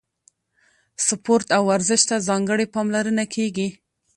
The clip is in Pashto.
سپورت او ورزش ته ځانګړې پاملرنه کیږي.